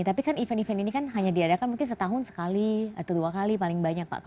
tapi kan event event ini kan hanya diadakan mungkin setahun sekali atau dua kali paling banyak pak